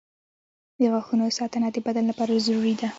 • د غاښونو ساتنه د بدن لپاره ضروري ده.